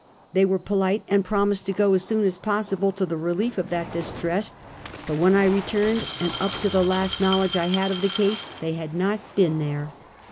They were polite, and promised to go as soon as possible to the relief of that distress ; but when I returned and up to the last knowledge I had of the case, they had not been there.